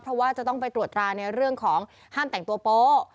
เพราะว่าจะต้องไปตรวจตราในเรื่องของห้ามแต่งตัวโป๊ะ